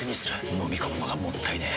のみ込むのがもったいねえ。